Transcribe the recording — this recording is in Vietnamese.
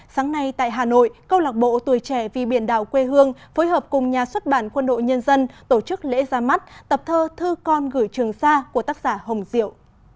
sáng nay tại hà nội câu lạc bộ tuổi trẻ vì biển đảo quê hương phối hợp cùng nhà xuất bản quân đội nhân dân tổ chức lễ ra mắt tập thơ thư con gửi trường xa của tác giả hồng diệu